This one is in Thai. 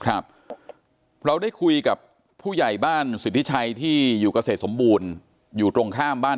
ครับเราได้คุยกับผู้ใหญ่บ้านสิทธิชัยที่อยู่เกษตรสมบูรณ์อยู่ตรงข้ามบ้าน